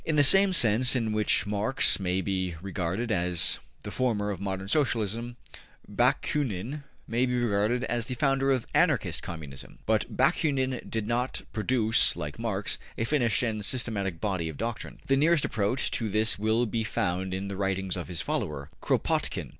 In the same sense in which Marx may be regarded as the founder of modern Socialism, Bakunin may be regarded as the founder of Anarchist Communism. But Bakunin did not produce, like Marx, a finished and systematic body of doctrine. The nearest approach to this will be found in the writings of his follower, Kropotkin.